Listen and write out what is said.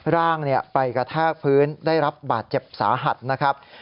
ร่างไปกระแทกพื้นได้รับบาดเจ็บสาหัสนะครับ